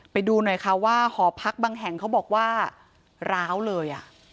ไปดูหน่อยค่ะว่าหอพักบางแห่งเขาบอกว่าร้าวเลย